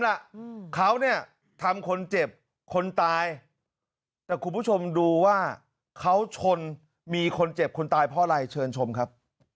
แหละเขาเนี่ยทำคนเจ็บคนตายแต่คุณผู้ชมดูว่าเขาชนมีคนเจ็บคนตายเพราะอะไรเชิญชมครับ